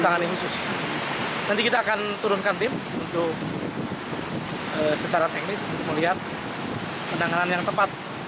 nanti kita akan turunkan tim untuk secara teknis melihat penanganan yang tepat